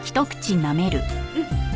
うん！